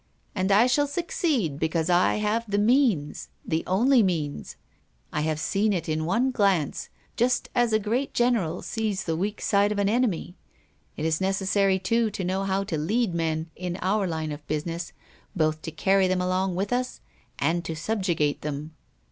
And I shall succeed because I have the means, the only means. I have seen it in one glance, just as a great general sees the weak side of an enemy. It is necessary too to know how to lead men, in our line of business, both to carry them along with us and to subjugate them.